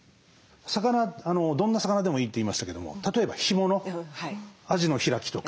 魚どんな魚でもいいって言いましたけども例えば干物あじの開きとか。